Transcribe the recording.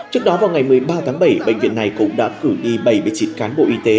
trước đó vào ngày một mươi ba tháng bảy bệnh viện này cũng đã cử đi bảy mươi chín cán bộ y tế